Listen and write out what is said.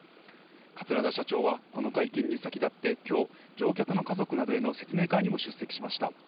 桂田社長はこの会見に先立ってきょう、乗客の家族などへの説明会にも出席しました。